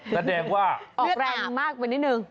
แสดงว่าออกแรงมากไปนิดนึง